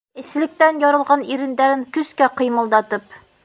Эҫелектән ярылған ирендәрен көскә ҡыймылдатып: